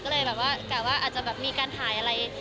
ก็เลยแบบว่ากะว่าอาจจะแบบมีการถ่ายอะไร